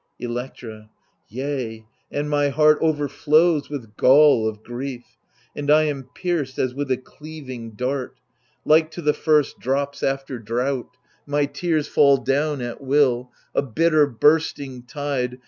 Electra Yea, and my heart overflows with gall of grief, And I am pierced as with a cleaving dart ; Like to the first drops after drought, my tears Fall down at will, a bitter bursting tide.